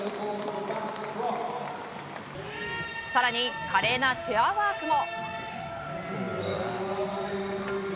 更に華麗なチェアワークも。